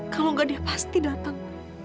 kalau nggak dia pasti datang